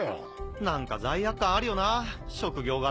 何か罪悪感あるよな職業柄。